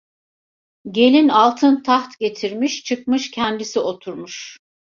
Gelin altın taht getirmiş, çıkmış kendisi oturmuş.